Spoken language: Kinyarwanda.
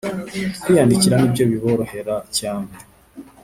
kwiyandikira nibyo biborohera cyane